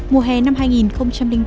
mùa hè năm hai nghìn ba